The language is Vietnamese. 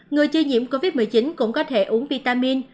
người chưa nhiễm covid một mươi chín cũng có thể uống vitamin